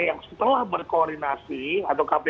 yang setelah berkoordinasi atau kpu